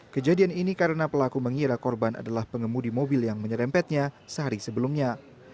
kejadian ini karena pelaku mengira korban adalah pengemudi mobil yang menyerempetnya sehari sebelumnya